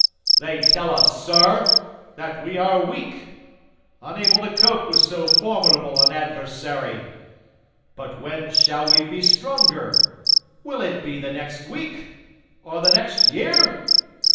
They tell us, sir, that we are weak; unable to cope with so formidable an adversary. But when shall we be stronger? Will it be the next week, or the next year?